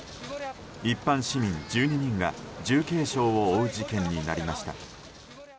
一般市民１２人が重軽傷を負う事件になりました。